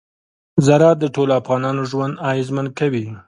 زراعت د ټولو افغانانو ژوند اغېزمن کوي.